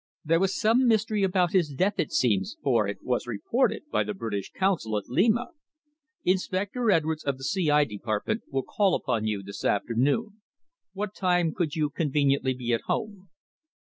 There was some mystery about his death, it seems, for it was reported by the British Consul at Lima. Inspector Edwards, of the C.I. Department, will call upon you this afternoon. What time could you conveniently be at home?"